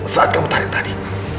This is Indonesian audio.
saat kamu tarik tadi